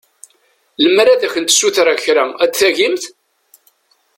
Lemmer ad kent-ssutreɣ kra ad tagimt?